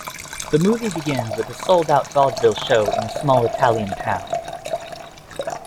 The movie begins with a sold-out vaudeville show in a small Italian town.